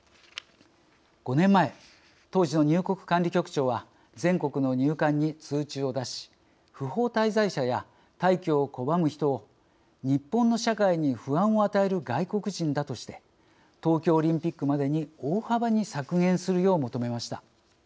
５年前、当時の入国管理局長は全国の入管に通知を出し不法滞在者や退去を拒む人を「日本の社会に不安を与える外国人だ」として東京オリンピックまでに大幅に削減するよう求めました。